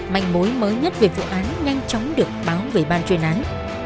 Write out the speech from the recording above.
manh mối mới nhất về vụ án nhanh chóng được báo về ban chuyên án